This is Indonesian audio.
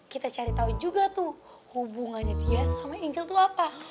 kita cari tau juga tuh hubungannya dia sama inkel tuh apa